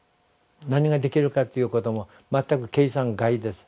何ができるかということも全く計算外です。